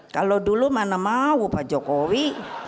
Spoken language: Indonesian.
kalau dulu mana mau pak jokowi